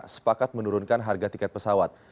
sepakat menurunkan harga tiket pesawat